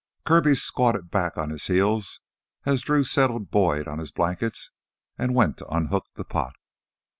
Kirby squatted back on his heels as Drew settled Boyd on his blankets and went to unhook the pot.